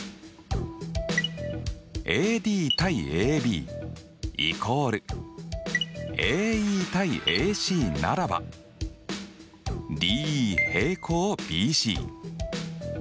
ＡＤ：ＡＢ＝ＡＥ：ＡＣならばＤＥ／／ＢＣ。